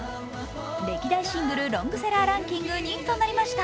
歴代シングルロングセラーランキング２位となりました。